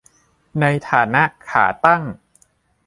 ในฐานะ 'ขาตั้ง'